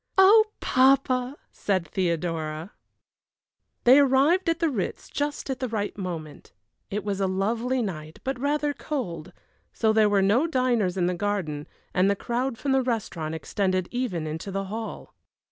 "Oh, papa!" said Theodora. They arrived at the Ritz just at the right moment. It was a lovely night, but rather cold, so there were no diners in the garden, and the crowd from the restaurant extended even into the hall.